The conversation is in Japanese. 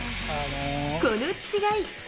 この違い。